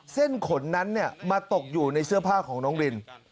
เส้นขนนั้นมาตกอยู่ในเสื้อผ้าของน้องริน